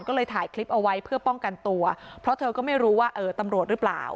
ก็เลยถ่ายคลิปเอาไว้เพื่อป้องกันตัวเพราะเธอก็ไม่รู้ว่าเออตำรวจหรือเปล่า